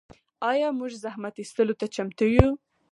آیا موږ زحمت ایستلو ته چمتو یو؟